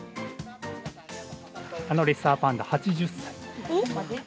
あのレッサーパンダ、８０歳。え？